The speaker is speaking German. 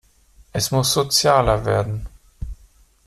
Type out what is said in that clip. Es muss sozialer werden.